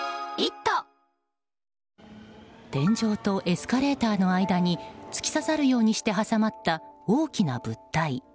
天井とエスカレーターの間に突き刺さるようにして挟まった大きな物体。